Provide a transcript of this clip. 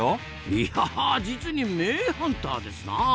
いや実に名ハンターですなあ！